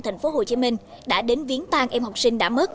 thành phố hồ chí minh đã đến viến tan em học sinh đã mất